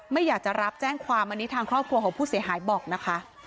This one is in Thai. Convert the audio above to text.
ไม่อยากจะรับแจ้งความอันนี้ทางครอบครัวของผู้เสียหายบอกนะคะ